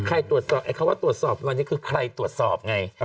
ไอ้เขาว่าตรวจสอบก็คือใครตรวจสอบไง